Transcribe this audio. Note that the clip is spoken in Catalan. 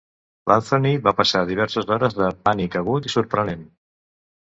L'Anthony va passar diverses hores de pànic agut i sorprenent.